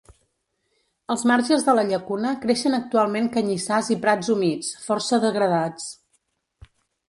Als marges de la llacuna creixen actualment canyissars i prats humits, força degradats.